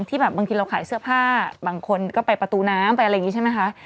แบบบางทีเราขายเสื้อผ้าบางคนก็ไปประตูน้ำไปอะไรอย่างนี้ใช่ไหมคะ